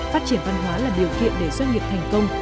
phát triển văn hóa là điều kiện để doanh nghiệp thành công